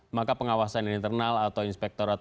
maka pengawasan internal atau inspektorat